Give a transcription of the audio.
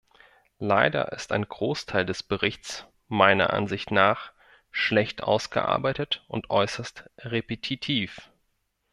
Leider ist ein Großteil des Berichts meiner Ansicht nach schlecht ausgearbeitet und äußerst repetitiv.